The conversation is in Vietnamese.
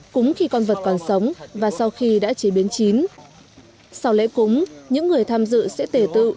cúng khi con vật còn sống và sau khi đã chế biến chín sau lễ cúng những người tham dự sẽ tể tự